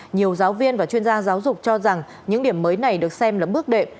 nhiều giáo viên và chuyên gia giáo dục cho rằng những điểm mới này được xem là bước đệm